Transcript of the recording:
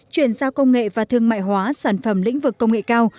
chuyển giao công nghệ và thương mại hóa sản phẩm lĩnh vực công nghệ cao